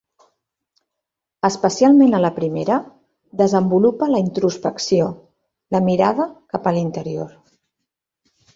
Especialment a la primera, desenvolupa la introspecció, la mirada cap a l'interior.